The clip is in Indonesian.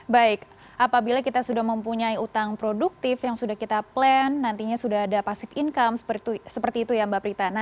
baik apabila kita sudah mempunyai utang produktif yang sudah kita plan nantinya sudah ada pasif income seperti itu ya mbak prita